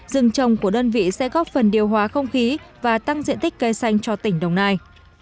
rừng trồng của đơn vị sẽ góp phần điều hóa không khí và tăng diện tích cây xanh cho tỉnh đồng nai